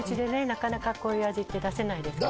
なかなかこういう味って出せないですよね。